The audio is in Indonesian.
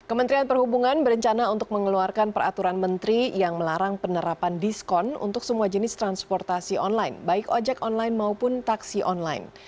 kementerian perhubungan berencana untuk mengeluarkan peraturan menteri yang melarang penerapan diskon untuk semua jenis transportasi online baik ojek online maupun taksi online